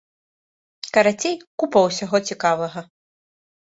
Карацей, купа ўсяго цікавага.